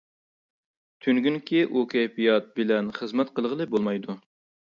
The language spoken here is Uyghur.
تۈنۈگۈنكى ئۇ كەيپىيات بىلەن خىزمەت قىلغىلى بولمايدۇ.